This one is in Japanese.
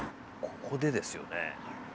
ここでですよね。